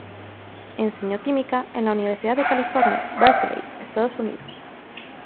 Enseñó química en la Universidad de California, Berkeley, Estados Unidos.